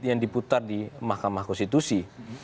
yang diputar di mahkamah konstitusi